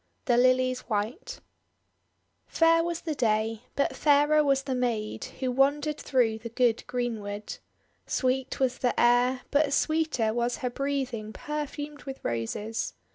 THE LILIES WHITE FAIR was the day, but fairer was the maid who wandered through the good greenwood. Sweet was the air, but sweeter was her breathing per fumed with Roses.